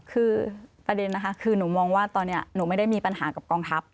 คือประเด็นนะคะคือหนูมองว่าตอนนี้หนูไม่ได้มีปัญหากับกองทัพ